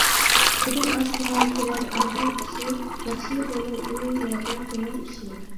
قۇدۇق ئاستىغا كىرەر ئاقىل كىشى، ياخشى بولۇر ئۇ يەردە كۆڭۈل ئىشى.